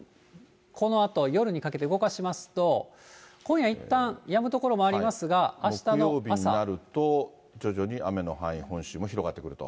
このあと夜にかけて動かしますと、今夜いったん、木曜日になると、徐々に雨の範囲、本州も広がってくると。